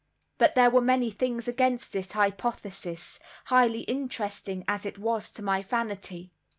But there were many things against this hypothesis, highly interesting as it was to my vanity.